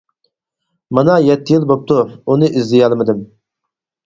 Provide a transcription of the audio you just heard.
مانا يەتتە يىل بوپتۇ، ئۇنى ئىزدىيەلمىدىم.